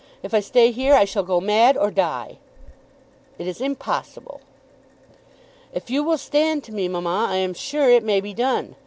If I stay here I shall go mad, or die." "It is impossible." "If you will stand to me, mamma, I am sure it may be done.